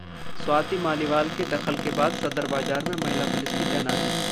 स्वाति मालीवाल के दखल के बाद सदर बाजार में महिला पुलिस की तैनाती